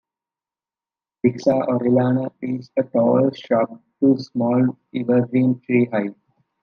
"Bixa orellana" is a tall shrub to small evergreen tree high.